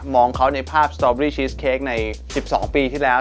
งเขาในภาพสตอเบอรี่ชีสเค้กใน๑๒ปีที่แล้ว